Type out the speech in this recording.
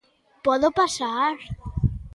¿Podo pasar?